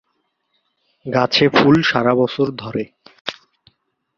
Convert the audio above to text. গাছে ফুল সারাবছর ধরে।